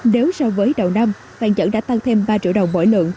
nếu so với đầu năm vàng nhẫn đã tăng thêm ba triệu đồng mỗi lượng